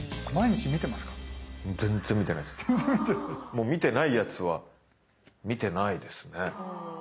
もうみてないやつはみてないですね。